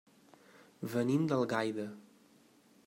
Venim d'Algaida.